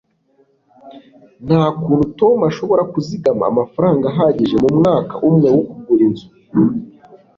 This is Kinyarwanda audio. nta kuntu tom ashobora kuzigama amafaranga ahagije mu mwaka umwe wo kugura inzu